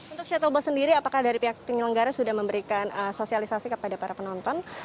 untuk shuttle bus sendiri apakah dari pihak penyelenggara sudah memberikan sosialisasi kepada para penonton